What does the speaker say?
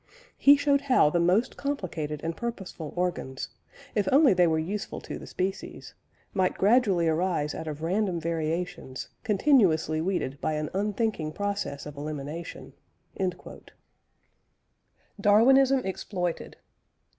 He showed how the most complicated and purposeful organs, if only they were useful to the species, might gradually arise out of random variations, continuously weeded by an unthinking process of elimination." DARWINISM EXPLOITED.